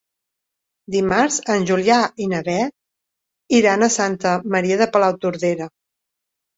Dimarts en Julià i na Beth iran a Santa Maria de Palautordera.